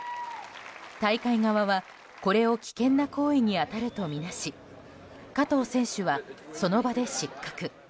大会側は、これを危険な行為に当たるとみなし加藤選手は、その場で失格。